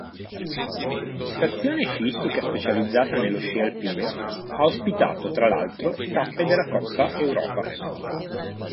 Stazione sciistica specializzata nello sci alpino, ha ospitato tra l'altro tappe della Coppa Europa.